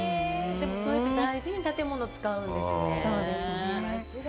そうやって大事に建物を使うんですね。